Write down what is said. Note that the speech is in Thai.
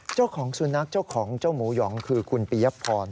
เจ้าของสุนัขเจ้าของเจ้าหมูหยองคือคุณปียพร